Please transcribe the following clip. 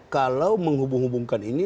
kalau menghubung hubungkan ini